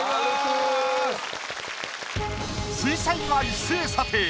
水彩画一斉査定。